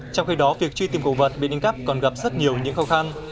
trong khi đó việc truy tìm cổ vật bị đánh cắp còn gặp rất nhiều những khó khăn